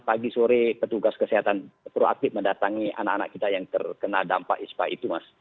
pagi sore petugas kesehatan proaktif mendatangi anak anak kita yang terkena dampak ispa itu mas